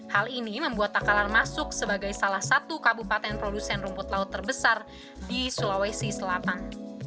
hal ini membuat takalar masuk sebagai salah satu kabupaten produsen rumput laut terbesar di sulawesi selatan